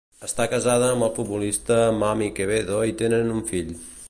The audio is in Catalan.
Està casada amb el futbolista Mami Quevedo i tenen un fill.